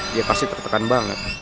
dia pasti tertekan banget